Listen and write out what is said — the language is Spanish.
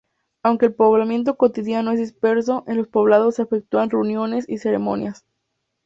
Aunque el poblamiento cotidiano es disperso, en los poblados se efectúan reuniones y ceremonias.